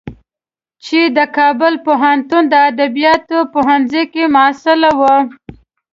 چې د کابل پوهنتون د ادبیاتو پوهنځی کې محصله وه.